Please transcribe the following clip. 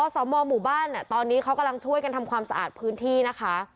สมหมู่บ้านตอนนี้เขากำลังช่วยกันทำความสะอาดพื้นที่นะคะ